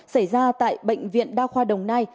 xảy ra tại bệnh viện đa khoa đồng nai